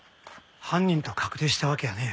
犯人と確定したわけやねえ。